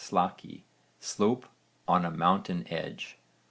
slakki, slope on a mountain edge.